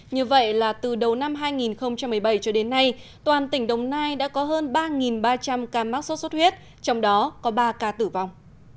như vậy là từ đầu năm hai nghìn một mươi bảy cho đến nay toàn tỉnh đồng nai đã có hơn ba ba trăm linh ca mắc sốt xuất huyết trong đó có ba ca tử vong